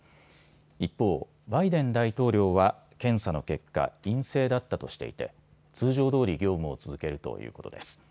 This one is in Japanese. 一方、バイデン大統領は検査の結果、陰性だったとしていて通常どおり業務を続けるということです。